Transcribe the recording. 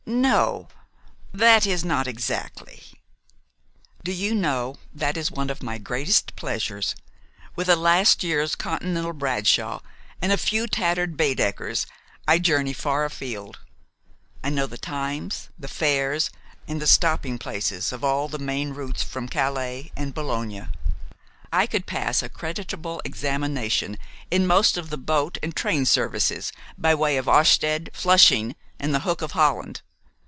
"No that is, not exactly." "Do you know, that is one of my greatest pleasures. With a last year's Continental Bradshaw and a few tattered Baedekers I journey far afield. I know the times, the fares, and the stopping places of all the main routes from Calais and Boulogne. I could pass a creditable examination in most of the boat and train services by way of Ostend, Flushing, and the Hook of Holland.